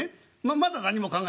まだ何も考えなくていい。